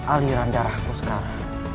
aliran darahku sekarang